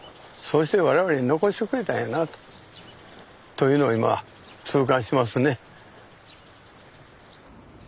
そうして我々に残してくれたんやなあと。というのを今痛感しますね。